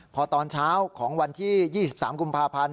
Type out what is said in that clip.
พอตอนเช้าของวันที่๒๓กุมภาพันธ์